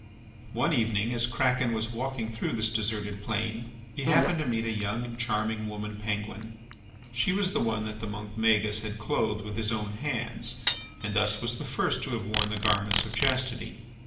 One evening as Kraken was walking through this deserted plain he happened to meet a young and charming woman Penguin. She was the one that the monk Magis had clothed with his own hands and thus was the first to have worn the garments of chastity.